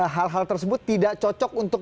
hal hal tersebut tidak cocok untuk